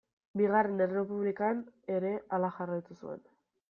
Bigarren Errepublikan ere hala jarraitu zuen.